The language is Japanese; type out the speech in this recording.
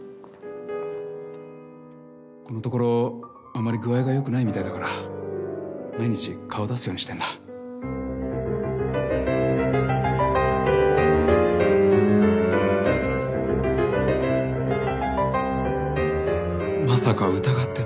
ここのところあまり具合が良くないみたいだから毎日顔出すようにしてるんだまさか疑ってた？